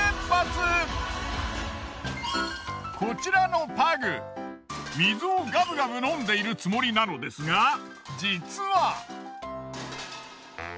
こちらのパグ水をガブガブ飲んでいるつもりなのですが実は。